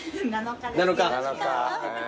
７日。